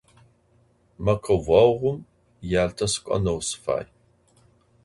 Mekhuoğum Yalte sık'oneu sıfay.